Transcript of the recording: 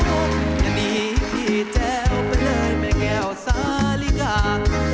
คงจะหนีพี่แจ้วไปเลยแม่แก้วสาลิกา